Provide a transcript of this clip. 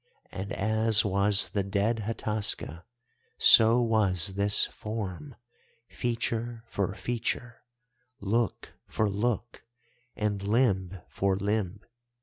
And as was the dead Hataska so was this form, feature for feature, look for look, and limb for limb.